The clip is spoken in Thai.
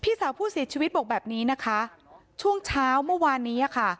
สาวผู้เสียชีวิตบอกแบบนี้นะคะช่วงเช้าเมื่อวานนี้อ่ะค่ะ